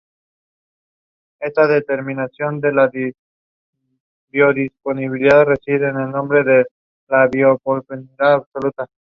Tras la muerte de su marido se trasladó a Nueva York para estudiar medicina.